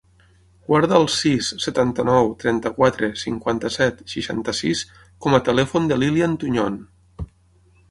Guarda el sis, setanta-nou, trenta-quatre, cinquanta-set, seixanta-sis com a telèfon de l'Ilyan Tuñon.